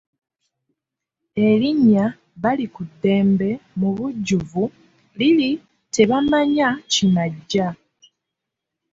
Erinnya Balikuddembe mubujjuvu liri Tebamanya kinajja.